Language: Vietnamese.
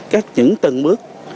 các những từng bước